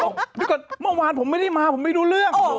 เดี๋ยวก่อนเมื่อวานผมไม่ได้มาผมไม่รู้เรื่อง